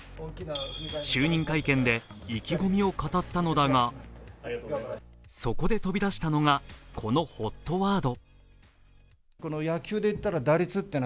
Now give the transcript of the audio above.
就任会見で意気込みを語ったのだが、そこで飛び出したのがこのＨＯＴワード。